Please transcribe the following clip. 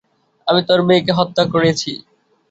আমিই তোর মেয়েকে হত্যা করেছি।